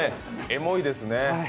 エモいですね。